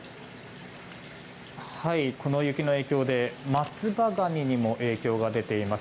この雪の影響で松葉ガニにも影響が出ています。